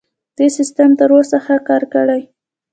دې سیستم تر اوسه ښه کار کړی.